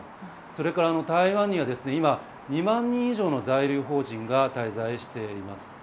それから、台湾には今、２万人以上の在留邦人が滞在しています。